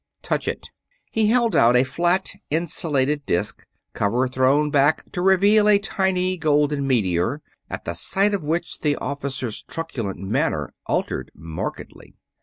Touch it!" He held out a flat, insulated disk, cover thrown back to reveal a tiny golden meteor, at the sight of which the officer's truculent manner altered markedly.